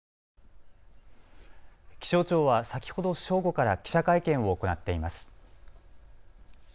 気象庁は先ほど正午から記者会見を行っています。